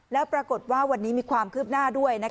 แล้วปรากฏว่าวันนี้มีความคืบหน้าด้วย